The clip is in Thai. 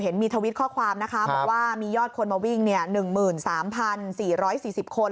เห็นมีทวิตข้อความนะคะบอกว่ามียอดคนมาวิ่ง๑๓๔๔๐คน